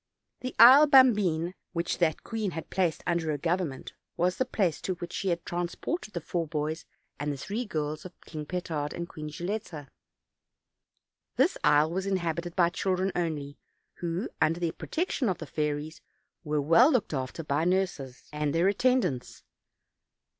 The Isle Bambine, which that queeu had placed under her government, was the place to which she had trans ported the four boys and three girls of King Petard 256 OLD OLD FAIRY TALES. Queen Gilletta. This isle was inhabited by children only, who, under the protection of the fairies, were well looked after by nurses and their attendants.